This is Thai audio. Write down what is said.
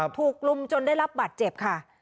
ถูกรุมจนได้รับบัตรเจ็บค่ะ